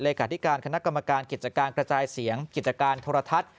าธิการคณะกรรมการกิจการกระจายเสียงกิจการโทรทัศน์